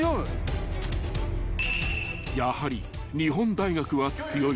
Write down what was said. ［やはり日本大学は強い］